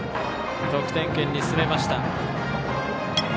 得点圏に進めました。